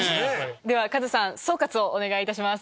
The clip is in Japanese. ではカズさん総括をお願いいたします。